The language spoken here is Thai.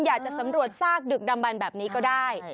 อยากจะสำรวจซากดึกดำบันแบบนี้ก็ได้